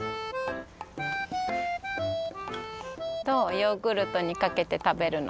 ヨーグルトにかけてたべるの。